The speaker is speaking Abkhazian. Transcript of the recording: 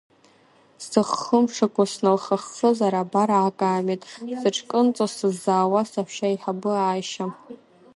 Сыххымшақу сналхаххызар, абар акаамеҭ, сыҽкынҵо сыззаауаз саҳәшьа еиҳабы Ааишьа!